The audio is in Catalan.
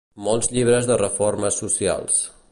Molts llibres de reformes socials.